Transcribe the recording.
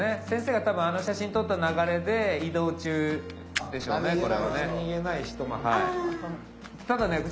先生が多分あの写真撮った流れで移動中でしょうね